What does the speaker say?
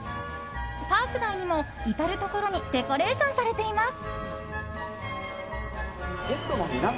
パーク内にも至るところにデコレーションされています。